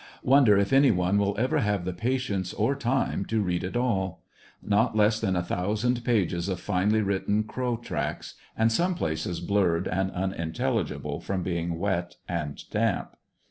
Wonder if any one will ever have the patience or time to read it all? Not less than a thousand pages of finely written crow tracks, and some places blurred and unintelli gable from being wet and damp.